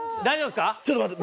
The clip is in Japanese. ちょっと待って。